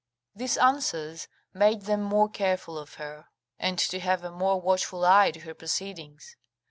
These answers made them more careful of her, and to have a more watchful eye to her proceedings.